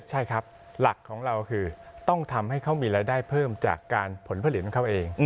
ใช่ครับหลักของเราคือต้องทำให้เขามีรายได้เพิ่มจากการผลผลิตของเขาเอง